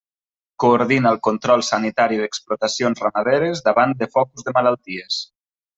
Coordina el control sanitari d'explotacions ramaderes davant de focus de malalties.